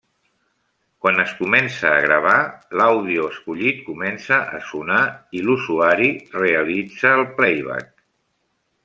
Quan es comença a gravar, l'àudio escollit comença a sonar i l'usuari realitza el playback.